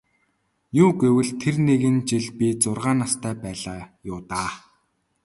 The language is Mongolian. Юу гэвэл тэр нэгэн жил би зургаан настай байлаа юу даа.